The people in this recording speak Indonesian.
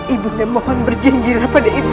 ibu dia mohon berjanjilah pada ibu dia